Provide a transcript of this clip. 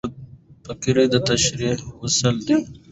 فقره د تشریح وسیله ده.